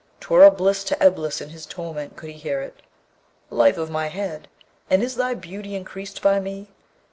'Twere a bliss to Eblis in his torment could he hear it. Life of my head! and is thy beauty increased by me?